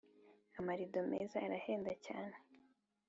Amarido meza arahenda cyane